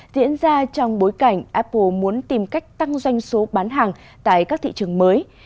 diễn ra trong bối cảnh apple muốn tìm cách tăng doanh số bán hàng tại các thị trường mới